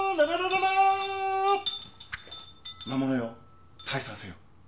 魔物よ退散せよ。